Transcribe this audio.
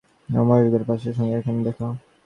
প্রভুর ইচ্ছায় মজুমদার মশায়ের সঙ্গে এখানে দেখা।